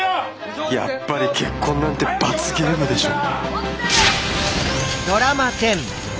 やっぱり結婚なんて罰ゲームでしょ。